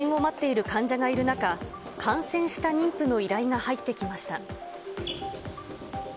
すでに受診を待っている患者がいる中、感染した妊婦の依頼が入ってきました。